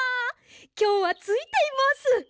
きょうはついています。